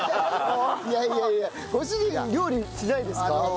いやいやいやご主人料理しないんですか？